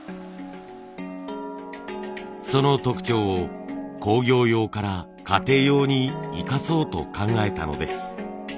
その特徴を工業用から家庭用に生かそうと考えたのです。